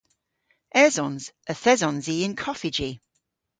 Esons. Yth esons i y'n koffiji.